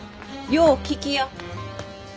よう聞きや。